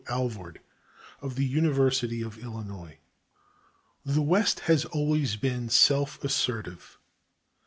ALVORD, OF THE UNIVERSITY OF ILLINOIS. The West has always been self assertive.